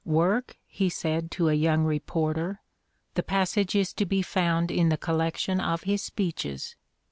"Work?" he said to a young reporter — the passage is to be found in the collection of his speeches.